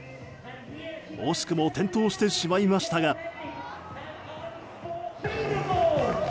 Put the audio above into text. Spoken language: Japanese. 惜しくも転倒してしまいましたが。